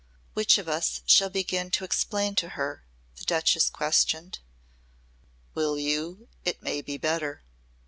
"Which of us shall begin to explain to her?" the Duchess questioned. "Will you? It may be better."